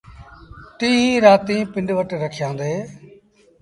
ٽيٚه رآتيٚن پنڊ وٽ رکيآݩدي۔